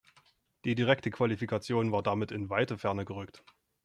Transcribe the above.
Die direkte Qualifikation war damit in weite Ferne gerückt.